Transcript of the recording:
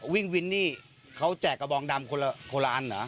วินนี่เขาแจกกระบองดำคนล้านเหรอ